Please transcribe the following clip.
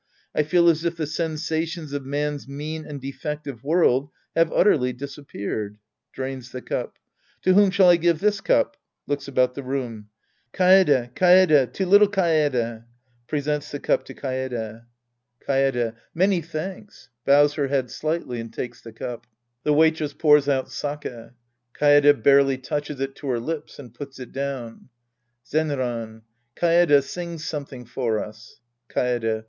I feel as if the sensations of man's mean and defective world have utterly disappeared. {Drains the cup.) To whom shall I give this cup ? {Looks about the room.) Kae'He, Kaede. To little Kaede. {Presents the cup to Kaedf,) Sc. I The Priest and His Disciples 99 Kaede. Many thanks. {Bmvs her head slightly and takes the cup.) {The Waitress pours out sake. Kaede barely touches it to her lips and puts it down!) Zenran. Kaede, sing something for us. Kaede.